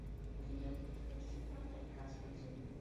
ধীরে, কিন্তু নিশ্চিতভাবে এই কাজ করিতে হইবে।